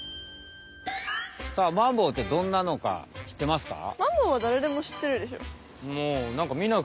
さあマンボウってどんなのか知ってますか？